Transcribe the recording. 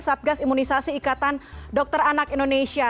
satgas imunisasi ikatan dokter anak indonesia